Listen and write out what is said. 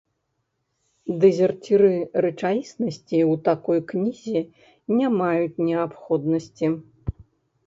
Дэзерціры рэчаіснасці ў такой кнізе не маюць неабходнасці.